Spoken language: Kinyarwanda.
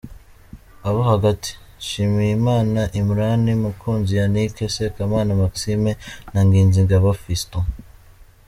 Abo hagati:Nshimiyimana Imran, Mukunzi yannick, Sekamana Maxime na Nkinzingabo Filston .